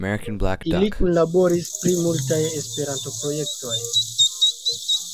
Ili kunlaboris pri multaj esperanto-projektoj.